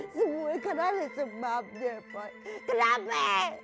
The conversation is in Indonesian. semua ikan lari sebabnya apoy kenapa